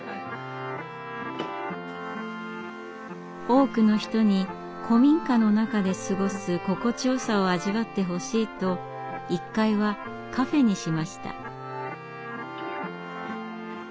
多くの人に古民家の中で過ごす心地よさを味わってほしいと１階はカフェにしました。